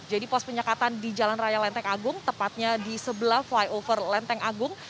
jadi pos penyekatan di jalan raya lenteng agung tepatnya di sebelah flyover lenteng agung